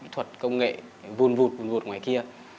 thuật công nghệ vùn vùn ngoài kia